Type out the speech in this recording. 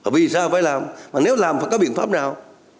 vì sao phải làm mà nếu làm phải có biện pháp nào